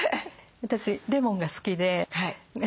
私レモンが好きで。